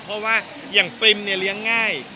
เพราะว่าไปรมเนี่ยเลี้ยง่าย